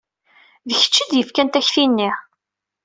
D kečč ay d-yefkan takti-nni.